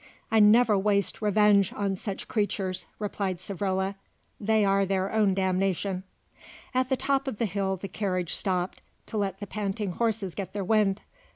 "I never waste revenge on such creatures," replied Savrola; "they are their own damnation." At the top of the hill the carriage stopped, to let the panting horses get their wind.